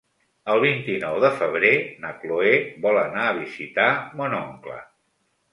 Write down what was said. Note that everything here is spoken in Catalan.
El vint-i-nou de febrer na Cloè vol anar a visitar mon oncle.